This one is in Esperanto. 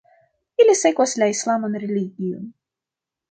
Ili sekvas la islaman religion.